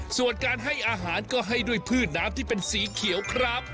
ส่วนการให้อาหารก็ให้ด้วยพืชน้ำที่เป็นสีเขียวครับ